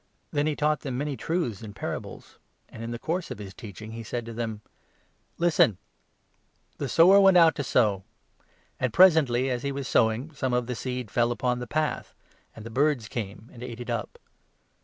Then 2 he taught them many truths in parables ; and in the course of his teaching he said to them :" Listen ! The sower went out to sow ; and presently, as he 3, 4 was sowing, some of the seed fell along the path ; and the birds came, and ate it up.